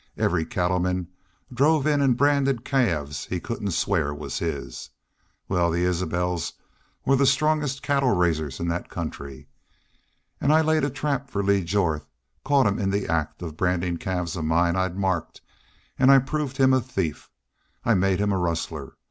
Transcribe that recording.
Every cattleman drove in an' branded calves he couldn't swear was his. Wal, the Isbels were the strongest cattle raisers in that country. An' I laid a trap for Lee Jorth, caught him in the act of brandin' calves of mine I'd marked, an' I proved him a thief. I made him a rustler.